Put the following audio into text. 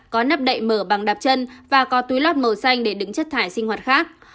có nắp đậy mở bằng đạp chân và có túi lót màu xanh để đứng chất thải sinh hoạt khác